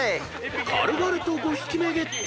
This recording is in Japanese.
［軽々と５匹目ゲット］